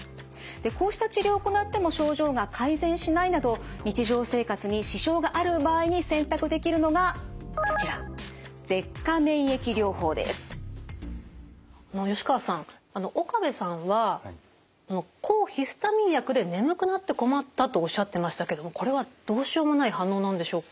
こうした治療を行っても症状が改善しないなど日常生活に支障がある場合に選択できるのがこちら吉川さん岡部さんは抗ヒスタミン薬で眠くなって困ったとおっしゃってましたけどもこれはどうしようもない反応なんでしょうか？